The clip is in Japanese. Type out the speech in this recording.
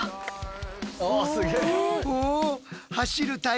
おすげえ。